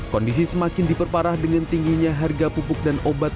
kondisi semakin diperparah dengan tingginya harga pupuk dan obat